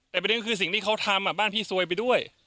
แต่ไปเรื่องคือสิ่งที่เขาทำอ่ะบ้านพี่ซวยไปด้วย